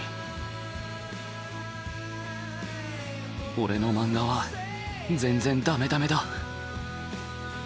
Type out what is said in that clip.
俺の漫画は全然ダメダメだ。